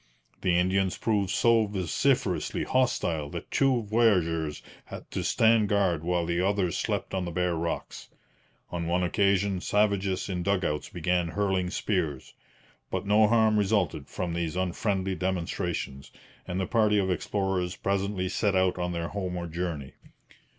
The Indians proved so vociferously hostile that two voyageurs had to stand guard while the others slept on the bare rocks. On one occasion savages in dug outs began hurling spears. But no harm resulted from these unfriendly demonstrations, and the party of explorers presently set out on their homeward journey.